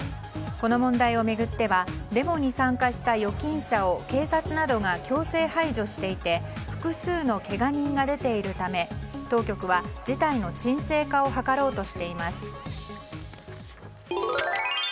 この問題を巡ってはデモに参加した預金者を警察などが強制排除していて複数のけが人が出ているため当局は事態の鎮静化を図ろうとしています。